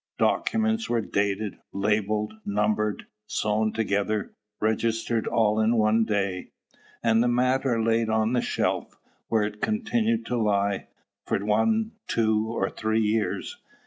Documents were dated, labelled, numbered, sewed together, registered all in one day, and the matter laid on the shelf, where it continued to lie, for one, two, or three years.